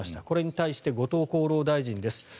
これに対して後藤厚労大臣です。